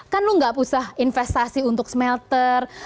kan anda nggak usah investasi untuk smelter